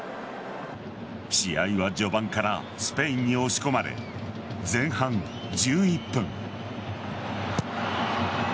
試合は序盤からスペインに押し込まれ前半１１分。